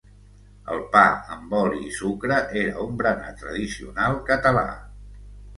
El pa amb oli i sucre era un berenar tradicional català.